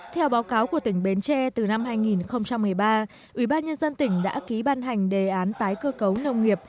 theo báo cáo của tỉnh bến tre từ năm hai nghìn một mươi ba ubnd tỉnh đã ký ban hành đề án tái cơ cấu nông nghiệp